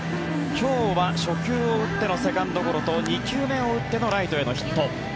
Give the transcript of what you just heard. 今日は初球を打ってのセカンドゴロと２球目を打ってのライトへのヒット。